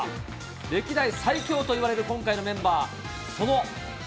歴代最強といわれる今回のメンバー。